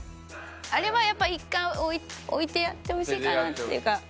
あれはやっぱり１回置いてやってほしいかなっていうか。